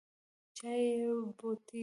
چای یو بوټی دی